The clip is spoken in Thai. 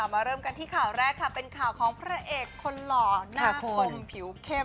เริ่มกันที่ข่าวแรกค่ะเป็นข่าวของพระเอกคนหล่อหน้าคนผิวเข้ม